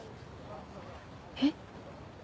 えっ？